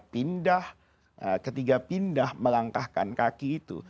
pindah ketiga pindah melangkahkan kaki itu